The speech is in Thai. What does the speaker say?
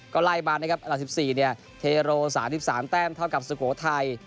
ก็ไล่มานะครับอันดับ๑๔เนี่ยเทโร๓๓แต้มเท่ากับสุโขทัย